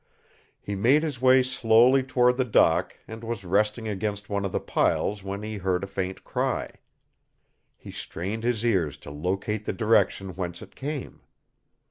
He made his way slowly toward the dock and was resting against one of the piles when he heard a faint cry. He strained his ears to locate the direction whence it came.